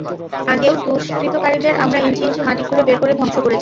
আগেও দুষ্কৃতকারীদের আমরা ইঞ্চি ইঞ্চি মাটি খুঁড়ে বের করে ধ্বংস করেছি।